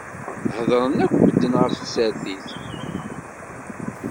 Heddṛen akk medden ɣef tsertit.